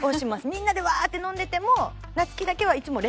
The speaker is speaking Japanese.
みんなでワーッて飲んでても。